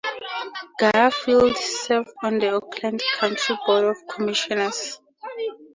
Garfield served on the Oakland County Board of Commissioners.